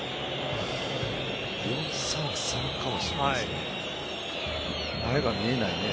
４−３−３かもしれないですね。